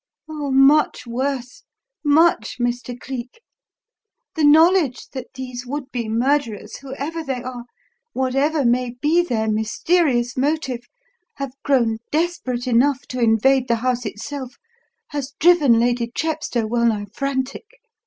"Oh, much worse much, Mr. Cleek! The knowledge that these would be murderers, whoever they are, whatever may be their mysterious motive, have grown desperate enough to invade the house itself has driven Lady Chepstow well nigh frantic.